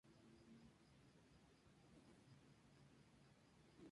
Esto ocurre frecuentemente.